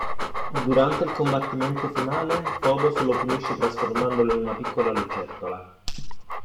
Durante il combattimento finale, Phobos lo punisce trasformandolo in una piccola lucertola.